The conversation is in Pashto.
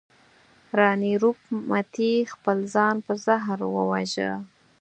راني روپ متي خپل ځان په زهر وواژه.